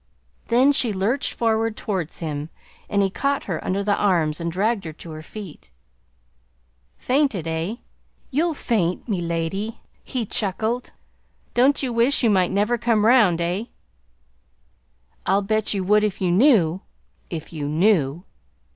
Then she lurched forward towards him, and he caught her under the arms and dragged her to her feet. "Fainted, eh? You'll faint, me lady," he chuckled. "Don't you wish you might never come round, eh? I'll bet you would if you knew ... if you knew!"